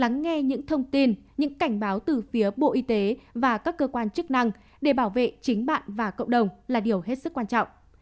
lắng nghe những thông tin những cảnh báo từ phía bộ y tế và các cơ quan chức năng để bảo vệ chính bạn và cộng đồng là điều hết sức quan trọng